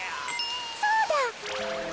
そうだ！